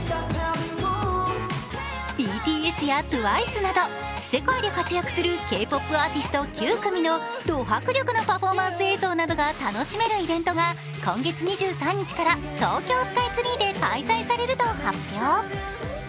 ＢＴＳやＴＷＩＣＥなど、世界で活躍するＫ−ＰＯＰアーティスト９組のど迫力のパフォーマンス映像などが楽しめるイベントが今月２３日から東京スカイツリーで開催されると発表。